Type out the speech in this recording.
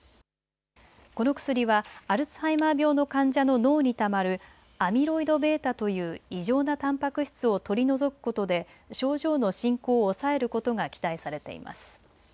この薬はアルツハイマー病の患者の脳にたまるアミロイドβという異常なたんぱく質を取り除くことで症状の進行を抑えることが期待されています。